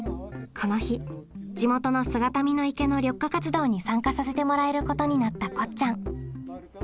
この日地元の姿見の池の緑化活動に参加させてもらえることになったこっちゃん。